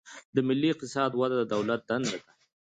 د ملي اقتصاد وده د دولت دنده ده.